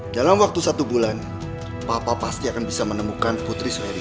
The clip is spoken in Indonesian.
dalam waktu satu bulan papa pasti akan bisa menemukan putri sueri